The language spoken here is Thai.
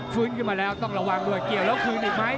ฟื้นขึ้นมาแล้วต้องระวังด้วยเกี่ยวแล้วคืนอีกไหม